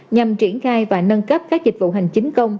nhằm triển khai và nâng cấp các dịch vụ hành chính công